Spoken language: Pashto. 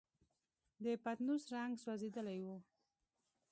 د پتنوس رنګ سوځېدلی و.